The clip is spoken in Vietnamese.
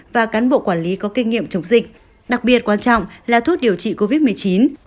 và cán bộ quản lý có kinh nghiệm chống dịch đặc biệt quan trọng là thuốc điều trị covid một mươi chín